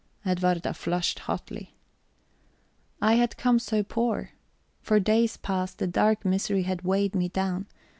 Edwarda flushed hotly. I had come so poor! for days past, a dark misery had weighed me down.